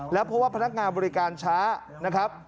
แล้วเพราะว่าพนักงานบริการช้านะครับ